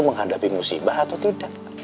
menghadapi musibah atau tidak